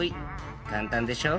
簡単でしょ？